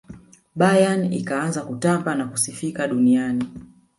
bayern ikaanza kutamba na kusifika duniani